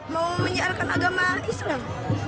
mau menyiarkan agama islam